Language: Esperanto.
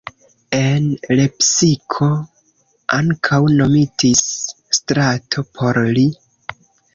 En Lepsiko ankaŭ nomitis strato por li.